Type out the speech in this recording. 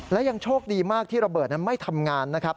และยังโชคดีมากที่ระเบิดนั้นไม่ทำงานนะครับ